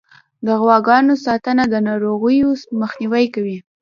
د غواګانو ساتنه د ناروغیو مخنیوی کوي.